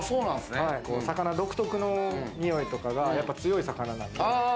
魚独特のにおいとかが強い魚なんで。